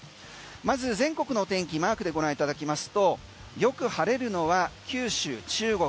まず全国の天気マークでご覧いただきますとよく晴れるのは九州、中国